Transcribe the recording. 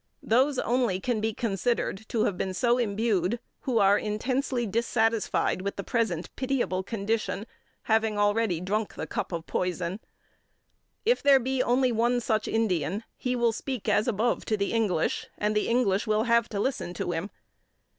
Those only can be considered to have been so imbued who are intensely dissatisfied with the present pitiable condition having already drunk the cup of poison. If there be only one such Indian, he will speak as above to the English, and the English will have to listen to him.